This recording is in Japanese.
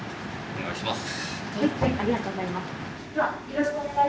お願いします。